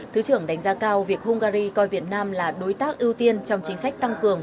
thứ trưởng đánh giá cao việc hungary coi việt nam là đối tác ưu tiên trong chính sách tăng cường